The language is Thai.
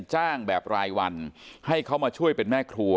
จ้างแบบรายวันให้เขามาช่วยเป็นแม่ครัว